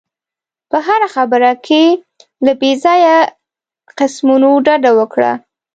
په هره خبره کې له بې ځایه قسمونو ډډه وکړه.